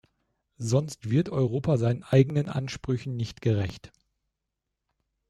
Sonst wird Europa seinen eigenen Ansprüchen nicht gerecht.